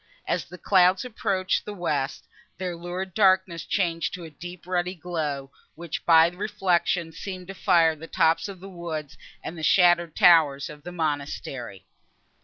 As the clouds approached the west, their lurid darkness changed to a deep ruddy glow, which, by reflection, seemed to fire the tops of the woods and the shattered towers of the monastery.